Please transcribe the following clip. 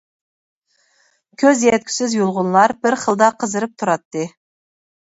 كۆز يەتكۈسىز يۇلغۇنلار بىر خىلدا قىزىرىپ تۇراتتى.